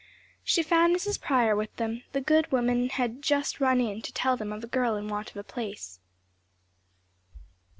She found Mrs. Prior with them; the good woman had "just run in" to tell them of a girl in want of a place.